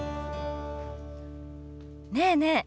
ねえねえ